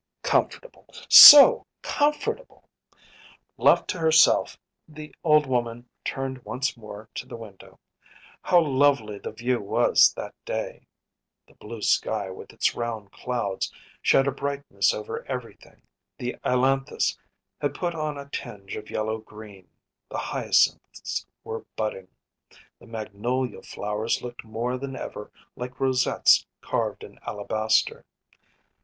‚ÄĚ So comfortable so comfortable! Left to herself the old woman turned once more to the window. How lovely the view was that day! The blue sky with its round clouds shed a brightness over everything; the ailanthus had put on a tinge of yellow green, the hyacinths were budding, the magnolia flowers looked more than ever like rosettes carved in alabaster.